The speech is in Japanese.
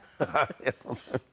ありがとうございます。